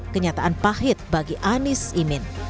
kenyataan pahit bagi anies imin